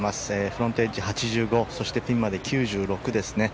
フロントエッジ８５そしてピンまで９６ですね。